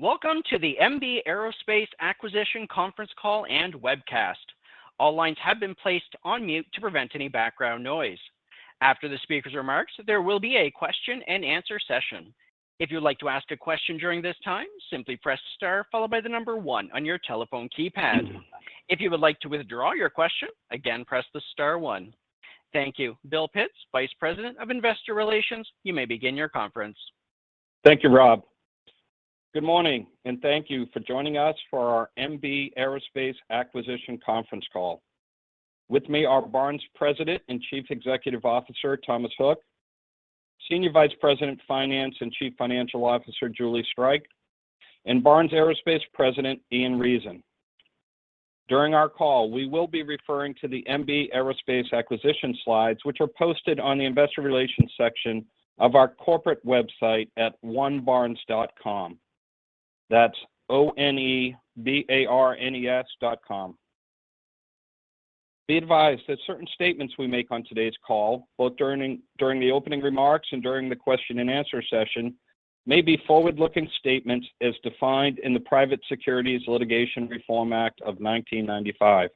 Welcome to the MB Aerospace Acquisition Conference Call and Webcast. All lines have been placed on mute to prevent any background noise. After the speaker's remarks, there will be a question and answer session. If you'd like to ask a question during this time, simply press star followed by the number one on your telephone keypad. If you would like to withdraw your question, again, press the star one. Thank you. Bill Pitts, Vice President of Investor Relations, you may begin your conference. Thank you, Rob. Good morning, and thank you for joining us for our MB Aerospace Acquisition conference call. With me are Barnes President and Chief Executive Officer, Thomas Hook, Senior Vice President, Finance, and Chief Financial Officer, Julie Streich, and Barnes Aerospace President, Ian Reason. During our call, we will be referring to the MB Aerospace Acquisition slides, which are posted on the investor relations section of our corporate website at onebarnes.com. That's O-N-E-B-A-R-N-E-S dot com. Be advised that certain statements we make on today's call, both during the opening remarks and during the question and answer session, may be forward-looking statements as defined in the Private Securities Litigation Reform Act of 1995.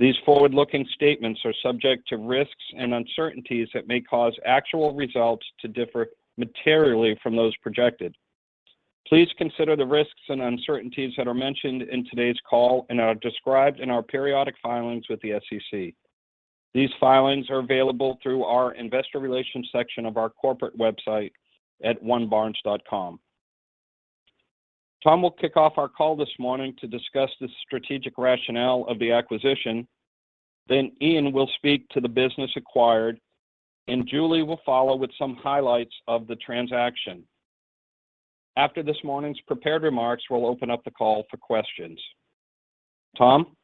These forward-looking statements are subject to risks and uncertainties that may cause actual results to differ materially from those projected. Please consider the risks and uncertainties that are mentioned in today's call and are described in our periodic filings with the SEC. These filings are available through our investor relations section of our corporate website at onebarnes.com. Tom will kick off our call this morning to discuss the strategic rationale of the acquisition, then Ian will speak to the business acquired, and Julie will follow with some highlights of the transaction. After this morning's prepared remarks, we'll open up the call for questions. Tom?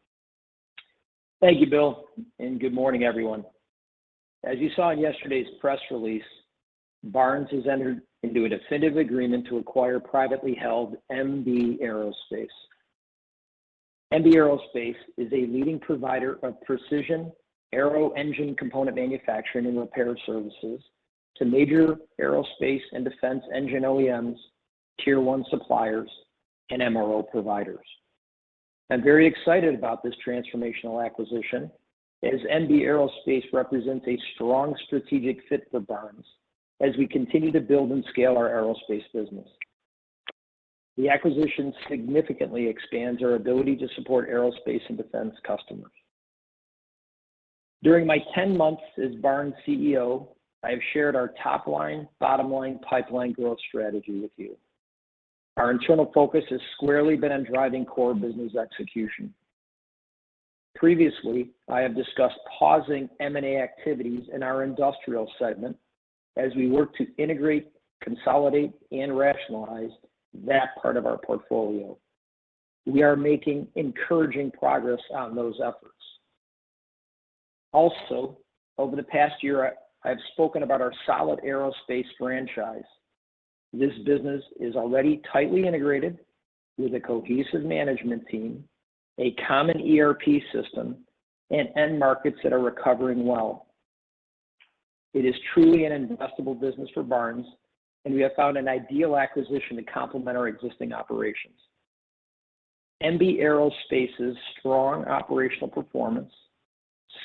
Thank you, Bill. Good morning, everyone. As you saw in yesterday's press release, Barnes has entered into a definitive agreement to acquire privately held MB Aerospace. MB Aerospace is a leading provider of precision aero-engine component manufacturing and repair services to major aerospace and defense engine OEMs, Tier 1 suppliers, and MRO providers. I'm very excited about this transformational acquisition, as MB Aerospace represents a strong strategic fit for Barnes as we continue to build and scale our aerospace business. The acquisition significantly expands our ability to support aerospace and defense customers. During my 10 months as Barnes CEO, I have shared our top line, bottom line, pipeline growth strategy with you. Our internal focus has squarely been on driving core business execution. Previously, I have discussed pausing M&A activities in our industrial segment as we work to integrate, consolidate, and rationalize that part of our portfolio. We are making encouraging progress on those efforts. Also, over the past year, I've spoken about our solid aerospace franchise. This business is already tightly integrated with a cohesive management team, a common ERP system, and end markets that are recovering well. It is truly an investable business for Barnes, and we have found an ideal acquisition to complement our existing operations. MB Aerospace's strong operational performance,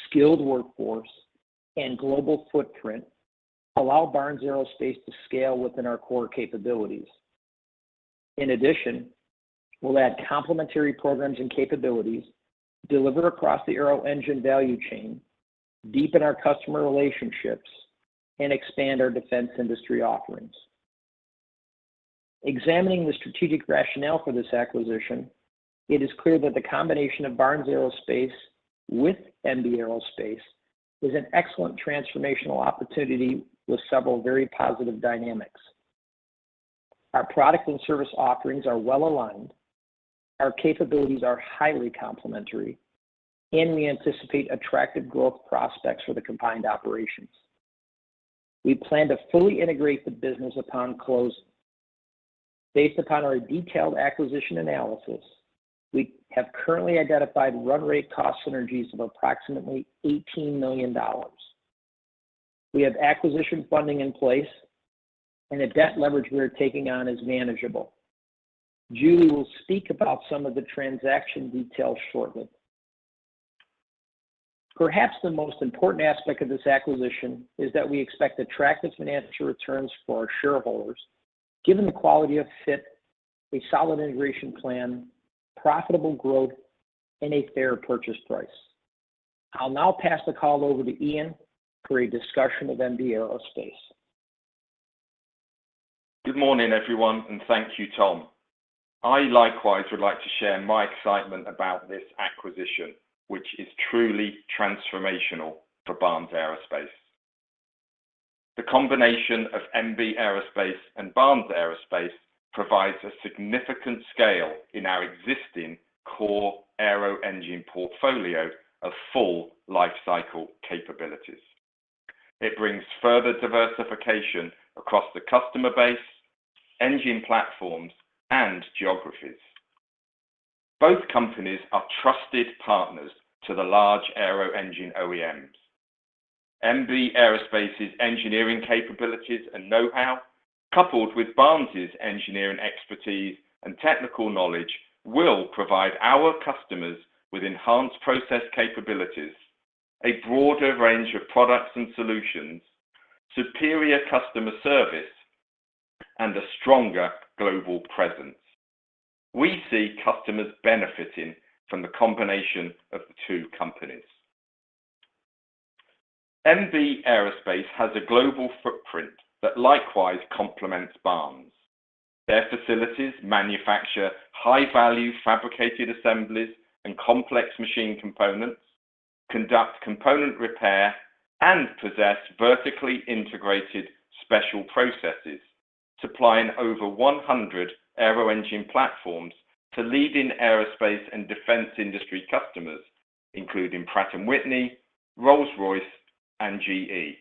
skilled workforce, and global footprint allow Barnes Aerospace to scale within our core capabilities. In addition, we'll add complementary programs and capabilities delivered across the aero-engine value chain, deepen our customer relationships, and expand our defense industry offerings. Examining the strategic rationale for this acquisition, it is clear that the combination of Barnes Aerospace with MB Aerospace is an excellent transformational opportunity with several very positive dynamics. Our product and service offerings are well aligned, our capabilities are highly complementary, and we anticipate attractive growth prospects for the combined operations. We plan to fully integrate the business upon close. Based upon our detailed acquisition analysis, we have currently identified run rate cost synergies of approximately $18 million. We have acquisition funding in place, and the debt leverage we are taking on is manageable. Julie will speak about some of the transaction details shortly. Perhaps the most important aspect of this acquisition is that we expect attractive financial returns for our shareholders, given the quality of fit, a solid integration plan, profitable growth, and a fair purchase price. I'll now pass the call over to Ian for a discussion of MB Aerospace. Good morning, everyone, and thank you, Tom. I likewise would like to share my excitement about this acquisition, which is truly transformational for Barnes Aerospace. The combination of MB Aerospace and Barnes Aerospace provides a significant scale in our existing core aero-engine portfolio of full lifecycle capabilities. It brings further diversification across the customer base, engine platforms, and geographies. Both companies are trusted partners to the large aero-engine OEMs. MB Aerospace's engineering capabilities and know-how, coupled with Barnes's engineering expertise and technical knowledge, will provide our customers with enhanced process capabilities, a broader range of products and solutions, superior customer service, and a stronger global presence. We see customers benefiting from the combination of the two companies. MB Aerospace has a global footprint that likewise complements Barnes. Their facilities manufacture high-value fabricated assemblies and complex machine components, conduct component repair, and possess vertically integrated special processes, supplying over 100 aero-engine platforms to leading aerospace and defense industry customers, including Pratt & Whitney, Rolls-Royce, and GE.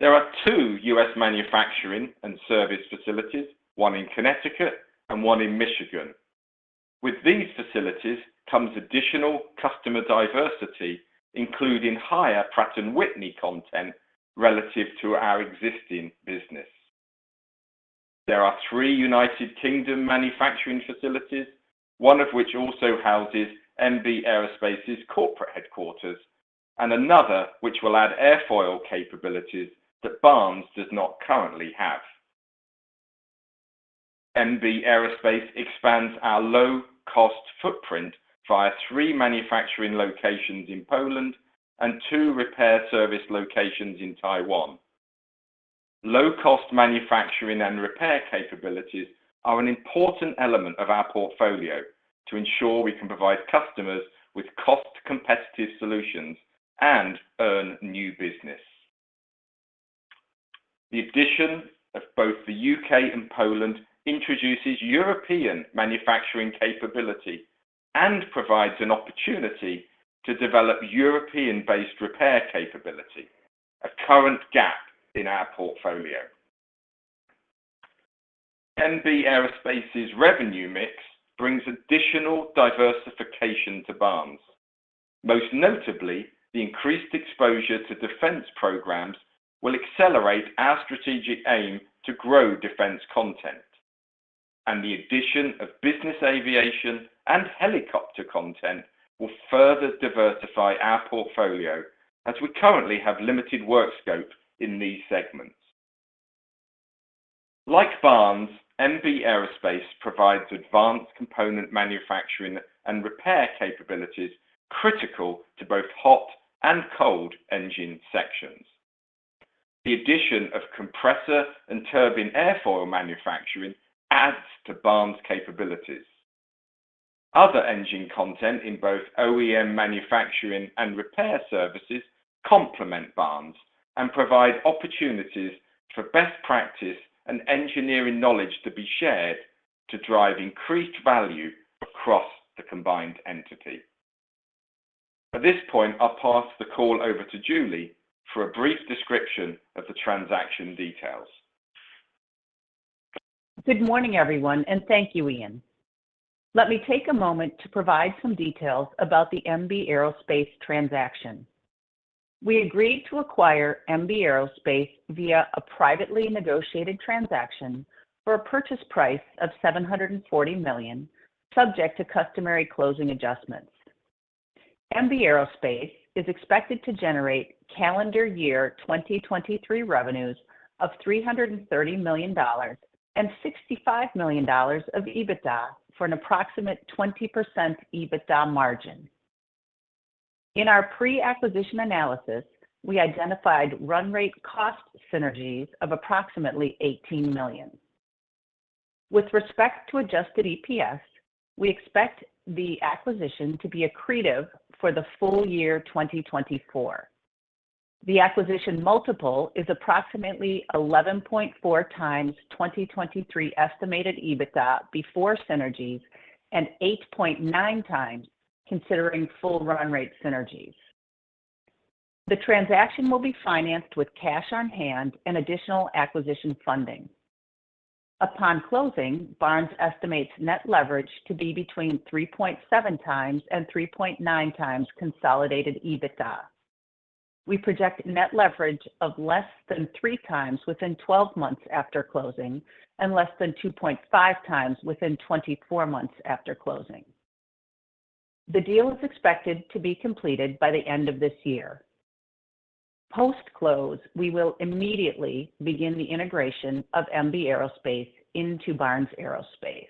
There are two U.S. manufacturing and service facilities, one in Connecticut and one in Michigan. With these facilities comes additional customer diversity, including higher Pratt & Whitney content relative to our existing business. There are three United Kingdom manufacturing facilities, one of which also houses MB Aerospace's corporate headquarters, and another which will add airfoil capabilities that Barnes does not currently have. MB Aerospace expands our low-cost footprint via three manufacturing locations in Poland and two repair service locations in Taiwan. Low-cost manufacturing and repair capabilities are an important element of our portfolio to ensure we can provide customers with cost-competitive solutions and earn new business. The addition of both the U.K. and Poland introduces European manufacturing capability and provides an opportunity to develop European-based repair capability, a current gap in our portfolio. MB Aerospace's revenue mix brings additional diversification to Barnes. Most notably, the increased exposure to defense programs will accelerate our strategic aim to grow defense content, and the addition of business aviation and helicopter content will further diversify our portfolio as we currently have limited work scope in these segments. Like Barnes, MB Aerospace provides advanced component manufacturing and repair capabilities, critical to both hot and cold engine sections. The addition of compressor and turbine airfoil manufacturing adds to Barnes' capabilities. Other engine content in both OEM manufacturing and repair services complement Barnes and provide opportunities for best practice and engineering knowledge to be shared to drive increased value across the combined entity. At this point, I'll pass the call over to Julie for a brief description of the transaction details. Good morning, everyone, and thank you, Ian. Let me take a moment to provide some details about the MB Aerospace transaction. We agreed to acquire MB Aerospace via a privately negotiated transaction for a purchase price of $740 million, subject to customary closing adjustments. MB Aerospace is expected to generate calendar year 2023 revenues of $330 million and $65 million of EBITDA for an approximate 20% EBITDA margin. In our pre-acquisition analysis, we identified run rate cost synergies of approximately $18 million. With respect to adjusted EPS, we expect the acquisition to be accretive for the full year 2024. The acquisition multiple is approximately 11.4 times 2023 estimated EBITDA before synergies and 8.9 times considering full run rate synergies. The transaction will be financed with cash on hand and additional acquisition funding. Upon closing, Barnes estimates net leverage to be between 3.7 times and 3.9 times consolidated EBITDA. We project net leverage of less than 3 times within 12 months after closing and less than 2.5 times within 24 months after closing. The deal is expected to be completed by the end of this year. Post-close, we will immediately begin the integration of MB Aerospace into Barnes Aerospace.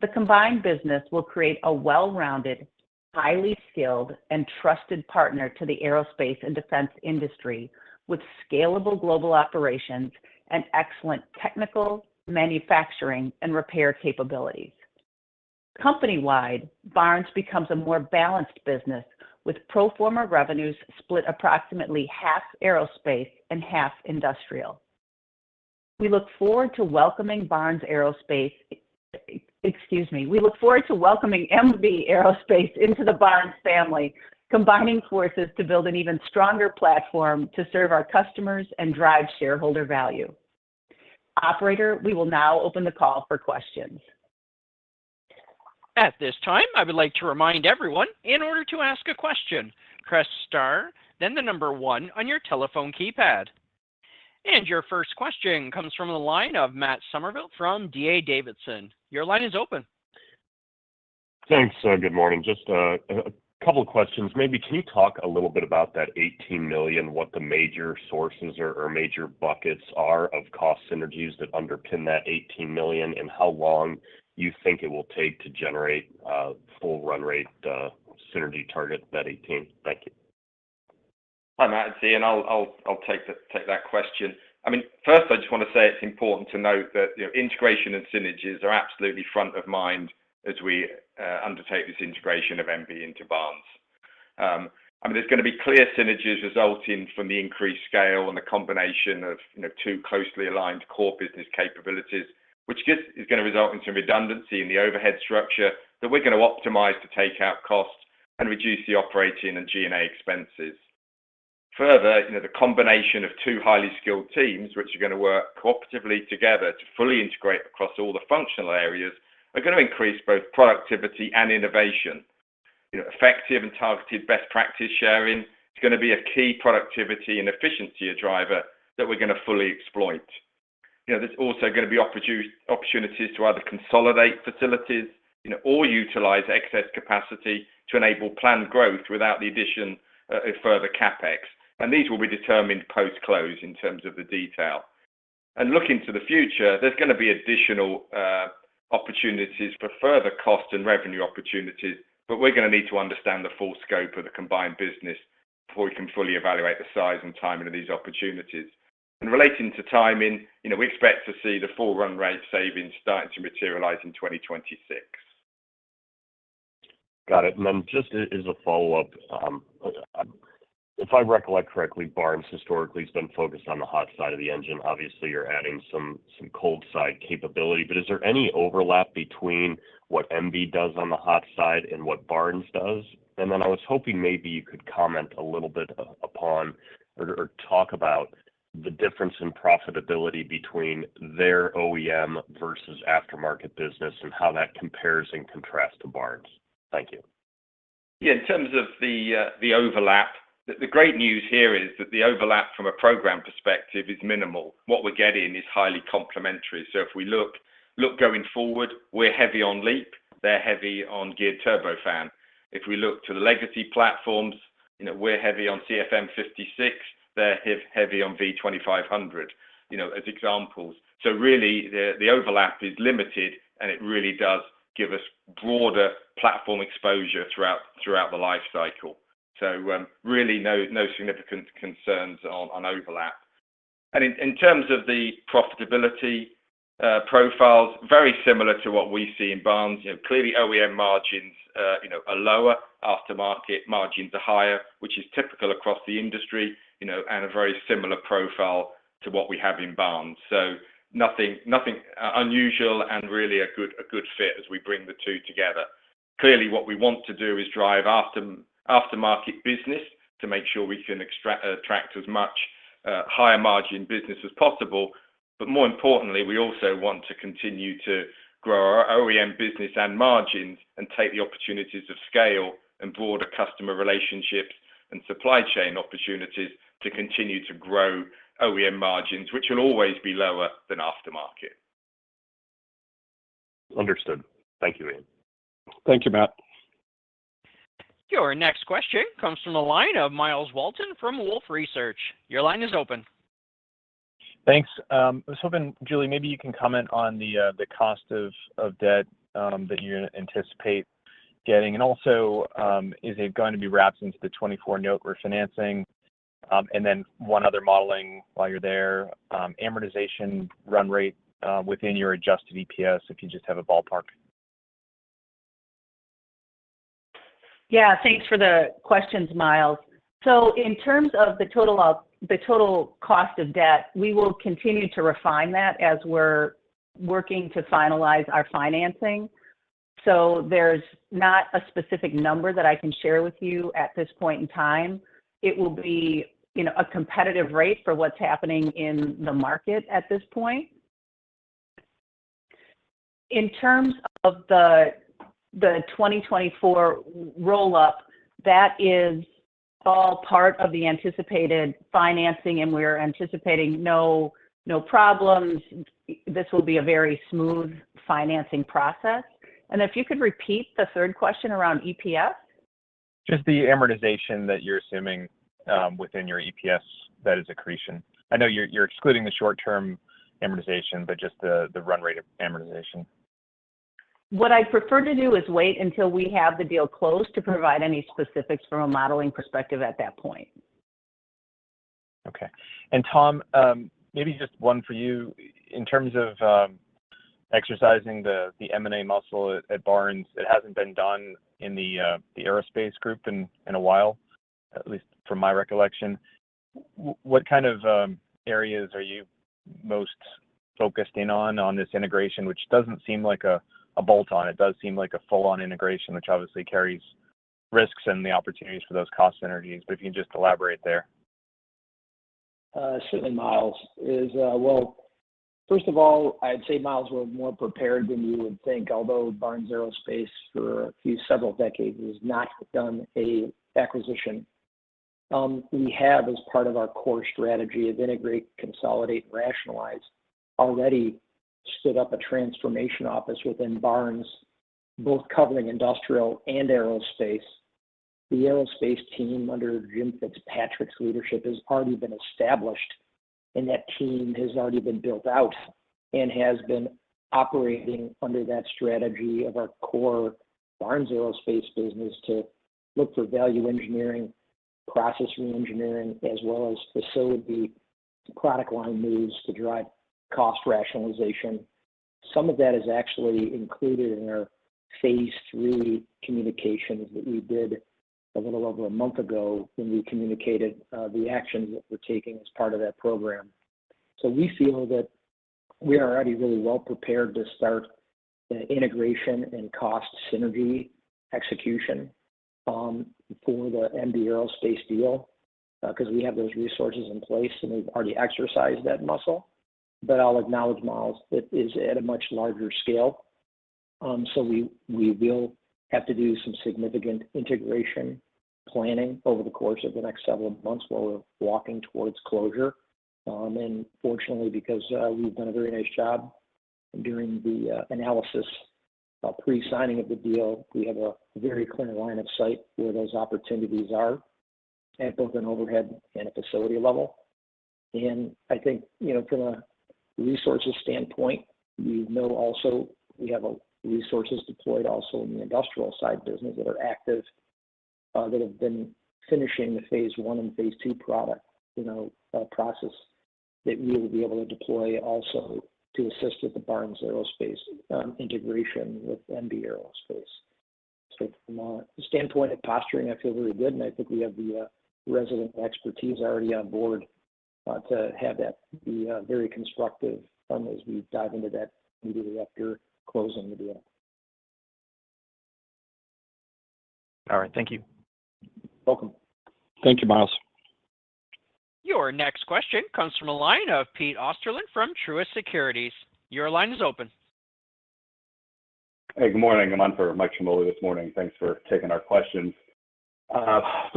The combined business will create a well-rounded, highly skilled, and trusted partner to the aerospace and defense industry, with scalable global operations and excellent technical, manufacturing, and repair capabilities. Company-wide, Barnes becomes a more balanced business, with pro forma revenues split approximately half aerospace and half industrial. We look forward to welcoming. Excuse me. We look forward to welcoming MB Aerospace into the Barnes family, combining forces to build an even stronger platform to serve our customers and drive shareholder value. Operator, we will now open the call for questions. At this time, I would like to remind everyone, in order to ask a question, press star, then 1 on your telephone keypad. Your first question comes from the line of Matt Summerville from D.A. Davidson. Your line is open. Thanks. Good morning. Just a couple of questions. Maybe can you talk a little bit about that $18 million, what the major sources or major buckets are of cost synergies that underpin that $18 million, how long you think it will take to generate full run rate synergy target, that 18? Thank you. Hi, Matt, it's Ian. I'll take that question. I mean, first, I just want to say it's important to note that, you know, integration and synergies are absolutely front of mind as we undertake this integration of MB into Barnes. I mean, there's gonna be clear synergies resulting from the increased scale and the combination of, you know, two closely aligned core business capabilities, which just is gonna result in some redundancy in the overhead structure that we're gonna optimize to take out costs and reduce the operating and SG&A expenses. Further, you know, the combination of two highly skilled teams, which are gonna work cooperatively together to fully integrate across all the functional areas, are gonna increase both productivity and innovation. You know, effective and targeted best practice sharing is gonna be a key productivity and efficiency driver that we're gonna fully exploit. You know, there's also gonna be opportunities to either consolidate facilities, you know, or utilize excess capacity to enable planned growth without the addition of further CapEx, and these will be determined post-close in terms of the detail. Looking to the future, there's gonna be additional opportunities for further cost and revenue opportunities, but we're gonna need to understand the full scope of the combined business before we can fully evaluate the size and timing of these opportunities. Relating to timing, you know, we expect to see the full run rate savings starting to materialize in 2026. Got it. Just as a follow-up, if I recollect correctly, Barnes historically has been focused on the hot side of the engine. Obviously, you're adding some cold side capability, but is there any overlap between what MB does on the hot side and what Barnes does? I was hoping maybe you could comment a little bit upon or talk about the difference in profitability between their OEM versus aftermarket business and how that compares and contrasts to Barnes. Thank you. Yeah, in terms of the overlap, the great news here is that the overlap from a program perspective is minimal. What we're getting is highly complementary. If we look, going forward, we're heavy on LEAP, they're heavy on Geared Turbofan. If we look to the legacy platforms, you know, we're heavy on CFM56, they're heavy on V2500, you know, as examples. Really, the overlap is limited, and it really does give us broader platform exposure throughout the life cycle. Really no significant concerns on overlap. In terms of the profitability profiles, very similar to what we see in Barnes. You know, clearly, OEM margins, you know, are lower, aftermarket margins are higher, which is typical across the industry, you know, and a very similar profile to what we have in Barnes. Nothing, nothing unusual and really a good, a good fit as we bring the two together. Clearly, what we want to do is drive aftermarket business to make sure we can attract as much higher margin business as possible. More importantly, we also want to continue to grow our OEM business and margins and take the opportunities of scale and broader customer relationships and supply chain opportunities to continue to grow OEM margins, which will always be lower than aftermarket. Understood. Thank you, Ian. Thank you, Matt. Your next question comes from a line of Myles Walton from Wolfe Research. Your line is open. Thanks. I was hoping, Julie, maybe you can comment on the cost of debt that you anticipate getting. Also, is it going to be wrapped into the 2024 note refinancing? Then one other modeling while you're there, amortization run rate within your adjusted EPS, if you just have a ballpark? Yeah, thanks for the questions, Myles. In terms of the total cost of debt, we will continue to refine that as we're working to finalize our financing. There's not a specific number that I can share with you at this point in time. It will be, you know, a competitive rate for what's happening in the market at this point. In terms of the 2024 roll-up, that is all part of the anticipated financing, and we are anticipating no problems. This will be a very smooth financing process. If you could repeat the third question around EPS? Just the amortization that you're assuming, within your EPS, that is accretion. I know you're excluding the short-term amortization, but just the run rate of amortization. What I'd prefer to do is wait until we have the deal closed to provide any specifics from a modeling perspective at that point. Okay. Tom, maybe just one for you. In terms of exercising the M&A muscle at Barnes, it hasn't been done in the aerospace group in a while, at least from my recollection. What kind of areas are you most focused in on this integration, which doesn't seem like a bolt on? It does seem like a full-on integration, which obviously carries risks and the opportunities for those cost synergies, but if you can just elaborate there. Certainly, Myles, well, first of all, I'd say Myles, we're more prepared than you would think, although Barnes Aerospace, for a few several decades, has not done an acquisition. We have, as part of our core strategy, of integrate, consolidate, rationalize, already stood up a transformation office within Barnes, both covering industrial and aerospace. The aerospace team, under Jim Fitzpatrick's leadership, has already been established, and that team has already been built out and has been operating under that strategy of our core Barnes Aerospace business to look for value engineering, process reengineering, as well as facility product line moves to drive cost rationalization. Some of that is actually included in our phase 3 communications that we did a little over a month ago when we communicated, the actions that we're taking as part of that program. We feel that we are already really well prepared to start the integration and cost synergy execution, for the MB Aerospace deal, because we have those resources in place, and we've already exercised that muscle. I'll acknowledge, Myles, it is at a much larger scale. We, we will have to do some significant integration planning over the course of the next several months while we're walking towards closure. Fortunately, because, we've done a very nice job doing the, analysis, pre-signing of the deal, we have a very clear line of sight where those opportunities are at both an overhead and a facility level. I think, you know, from a resources standpoint, we know also we have resources deployed also in the industrial side business that are active, that have been finishing the phase one and phase two product, you know, process that we will be able to deploy also to assist with the Barnes Aerospace integration with MB Aerospace. From a standpoint of posturing, I feel really good, and I think we have the resident expertise already on board to have that be very constructive fun as we dive into that immediately after closing the deal. All right. Thank you. Welcome. Thank you, Myles. Your next question comes from a line of Pete Osterland from Truist Securities. Your line is open. Hey, good morning, everyone. For Michael Ciarmoli this morning. Thanks for taking our questions.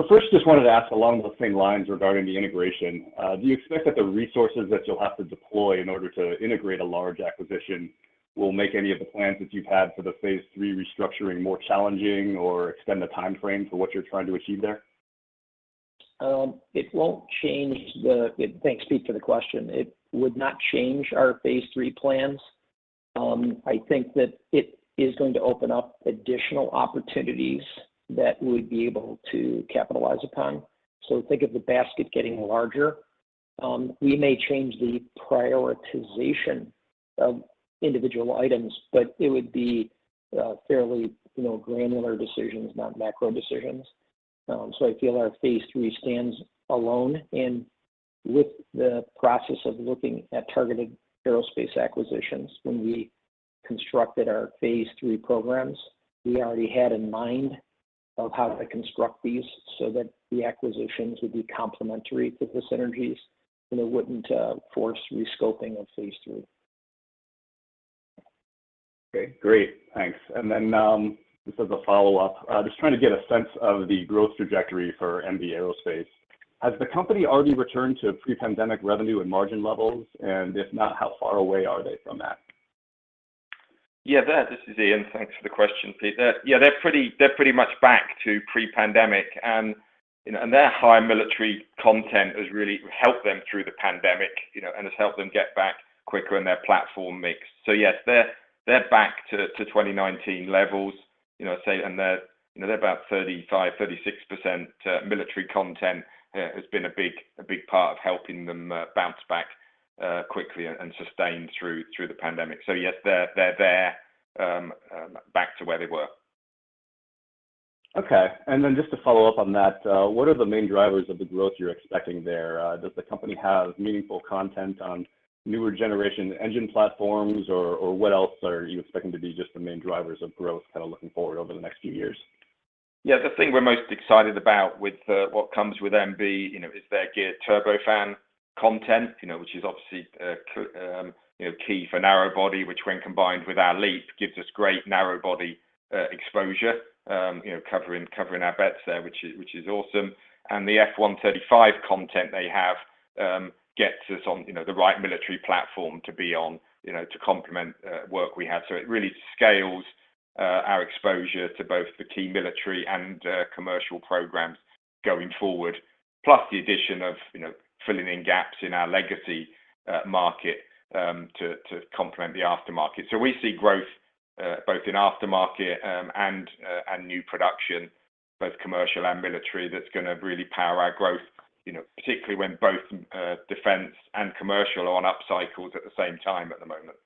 First, just wanted to ask along the same lines regarding the integration. Do you expect that the resources that you'll have to deploy in order to integrate a large acquisition will make any of the plans that you've had for the phase three restructuring more challenging or extend the timeframe for what you're trying to achieve there? Thanks, Pete, for the question. It would not change our phase three plans. I think that it is going to open up additional opportunities that we'd be able to capitalize upon. Think of the basket getting larger. We may change the prioritization of individual items, but it would be, fairly, you know, granular decisions, not macro decisions. I feel our phase three stands alone. With the process of looking at targeted aerospace acquisitions, when we constructed our phase three programs, we already had in mind of how to construct these so that the acquisitions would be complementary to the synergies, and it wouldn't force rescoping of phase three. Okay, great. Thanks. Just as a follow-up, just trying to get a sense of the growth trajectory for MB Aerospace. Has the company already returned to pre-pandemic revenue and margin levels? If not, how far away are they from that? This is Ian. Thanks for the question, Pete. They're pretty much back to pre-pandemic, you know, their high military content has really helped them through the pandemic, you know, has helped them get back quicker in their platform mix. Yes, they're back to 2019 levels. You know, say, they're, you know, they're about 35%-36% military content has been a big part of helping them bounce back quickly and sustain through the pandemic. Yes, they're there back to where they were. Okay. Just to follow up on that, what are the main drivers of the growth you're expecting there? Does the company have meaningful content on newer generation engine platforms, or what else are you expecting to be just the main drivers of growth, kind of looking forward over the next few years? Yeah, the thing we're most excited about with, what comes with MB, you know, is their Geared Turbofan content, you know, which is obviously, you know, key for narrow body, which when combined with our LEAP, gives us great narrow body, exposure, you know, covering our bets there, which is awesome. The F135 content they have, gets us on, you know, the right military platform to be on, you know, to complement, work we have. It really scales, our exposure to both the key military and, commercial programs going forward, plus the addition of, you know, filling in gaps in our legacy, market, to complement the aftermarket. We see growth, both in aftermarket, and new production, both commercial and military. That's gonna really power our growth, you know, particularly when both defense and commercial are on upcycles at the same time at the moment.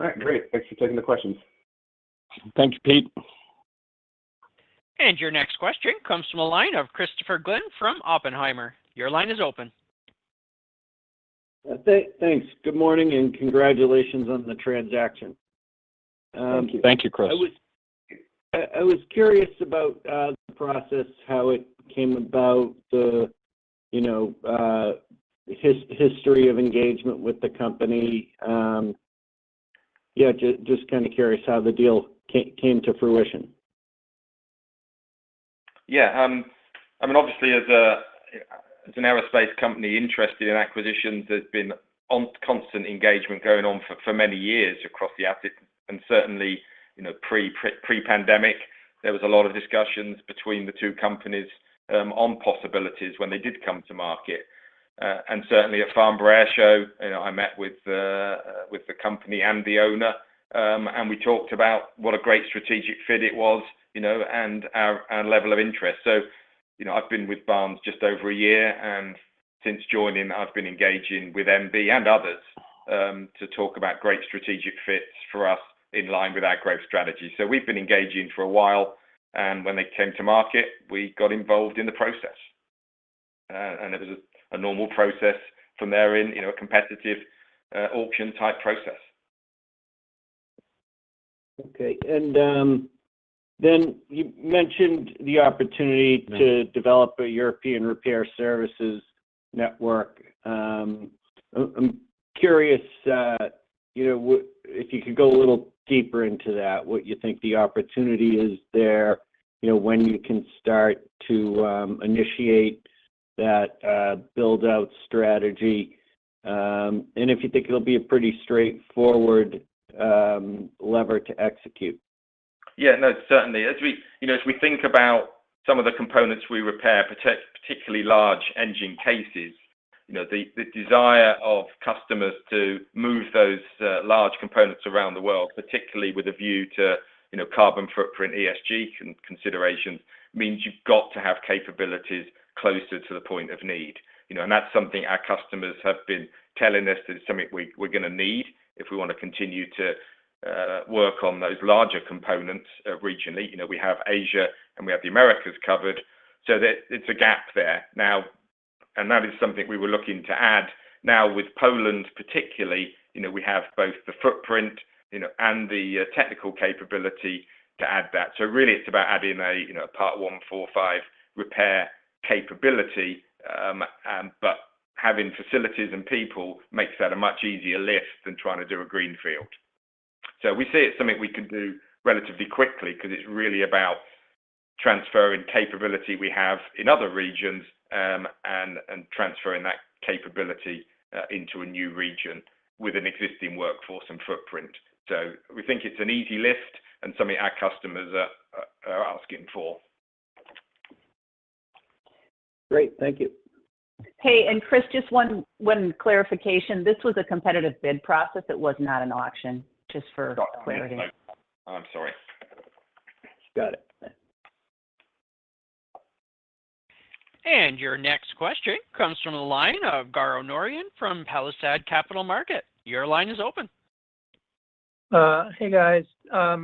All right, great. Thanks for taking the questions. Thank you, Pete. Your next question comes from a line of Christopher Glynn from Oppenheimer. Your line is open. Thanks. Good morning, and congratulations on the transaction. Thank you, Chris. I was curious about the process, how it came about, the, you know, history of engagement with the company. Yeah, just kind of curious how the deal came to fruition. I mean, obviously, as an aerospace company interested in acquisitions, there's been constant engagement going on for many years across the asset, and certainly, you know, pre-pandemic, there was a lot of discussions between the two companies on possibilities when they did come to market. Certainly at Farnborough Airshow, you know, I met with the company and the owner, and we talked about what a great strategic fit it was, you know, and our level of interest. You know, I've been with Barnes just over a year, and since joining, I've been engaging with MB and others to talk about great strategic fits for us in line with our growth strategy. We've been engaging for a while, and when they came to market, we got involved in the process. It was a normal process from therein, you know, a competitive, auction-type process. Okay, you mentioned the. Yeah To develop a European repair services network. I'm curious, you know, if you could go a little deeper into that, what you think the opportunity is there, you know, when you can start to initiate that build-out strategy, and if you think it'll be a pretty straightforward lever to execute? Yeah, no, certainly. As we, you know, as we think about some of the components we repair, particularly large engine cases, you know, the desire of customers to move those large components around the world, particularly with a view to, you know, carbon footprint, ESG considerations, means you've got to have capabilities closer to the point of need. You know, that's something our customers have been telling us, that it's something we're gonna need if we want to continue to work on those larger components regionally. You know, we have Asia, and we have the Americas covered, so there, it's a gap there. Now, that is something we were looking to add. Now, with Poland, particularly, you know, we have both the footprint, you know, and the technical capability to add that. Really it's about adding a, you know, a Part 145 repair capability. Having facilities and people makes that a much easier lift than trying to do a greenfield. We see it as something we can do relatively quickly, because it's really about transferring capability we have in other regions, and transferring that capability into a new region with an existing workforce and footprint. We think it's an easy lift and something our customers are asking for. Great. Thank you. Hey, Chris, just one clarification. This was a competitive bid process. It was not an auction, just for clarity. I'm sorry. Got it. Your next question comes from the line of Garo Norian from Palisade Capital Management. Your line is open. Hey, guys. I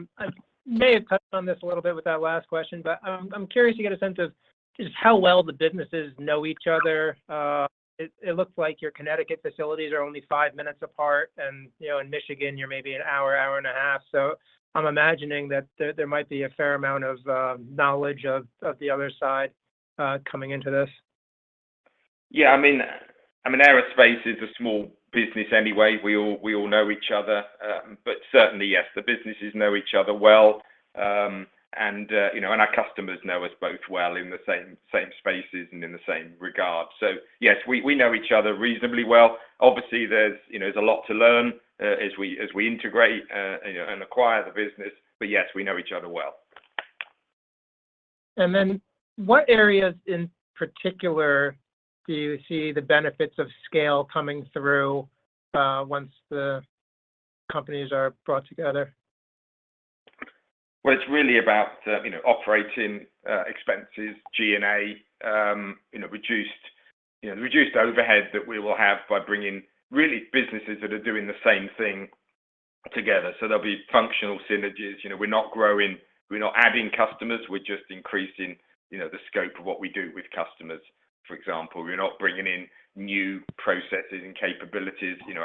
may have touched on this a little bit with that last question, but I'm curious to get a sense of just how well the businesses know each other. It looks like your Connecticut facilities are only 5 minutes apart, and, you know, in Michigan, you're maybe 1 hour, 1 and a half hours. I'm imagining that there might be a fair amount of knowledge of the other side coming into this. I mean, aerospace is a small business anyway. We all know each other. Certainly, yes, the businesses know each other well. you know, our customers know us both well in the same spaces and in the same regard. Yes, we know each other reasonably well. Obviously, there's, you know, there's a lot to learn as we integrate, you know, and acquire the business, yes, we know each other well. What areas in particular do you see the benefits of scale coming through, once the companies are brought together? It's really about, you know, operating expenses, G&A, you know, reduced overhead that we will have by bringing really businesses that are doing the same thing together. There'll be functional synergies. You know, we're not growing, we're not adding customers. We're just increasing, you know, the scope of what we do with customers, for example. We're not bringing in new processes and capabilities, you know,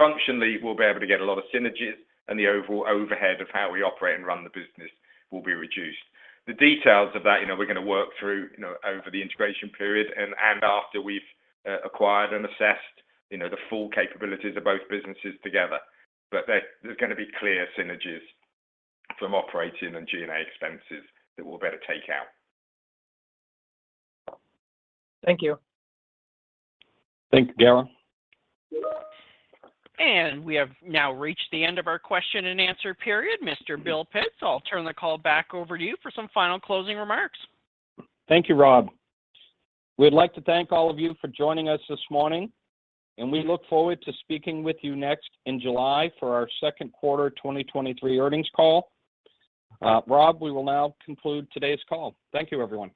functionally, we'll be able to get a lot of synergies, and the overall overhead of how we operate and run the business will be reduced. The details of that, you know, we're gonna work through, you know, over the integration period and after we've acquired and assessed, you know, the full capabilities of both businesses together. There's gonna be clear synergies from operating and G&A expenses that we'll be able to take out. Thank you. Thank you, Garo. We have now reached the end of our question-and-answer period. Mr. Bill Pitts, I'll turn the call back over to you for some final closing remarks. Thank you, Rob. We'd like to thank all of you for joining us this morning. We look forward to speaking with you next in July for our Q2 2023 earnings call. Rob, we will now conclude today's call. Thank you, everyone.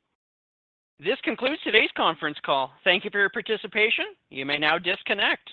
This concludes today's conference call. Thank you for your participation. You may now disconnect.